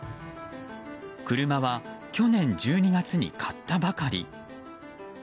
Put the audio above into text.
車は去年１２月に買ったばかり。